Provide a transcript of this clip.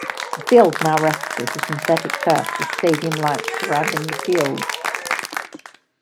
The field now rests as synthetic turf with stadium lights surrounding the field.